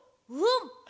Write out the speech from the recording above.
うん！